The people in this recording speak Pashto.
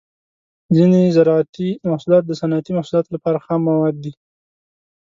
ځینې زراعتي محصولات د صنعتي محصولاتو لپاره خام مواد دي.